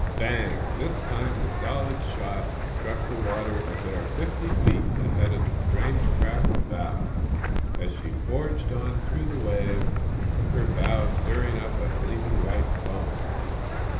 Bang! This time the solid shot struck the water a bare fifty feet ahead of the strange craft's bows as she forged on through the waves, her bow stirring up a gleaming white foam.